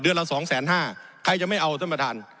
ละสองแสนห้าใครจะไม่เอาท่านประธาน